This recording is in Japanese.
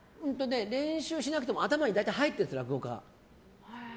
練習しなくても頭に大体入ってるんです落語家は。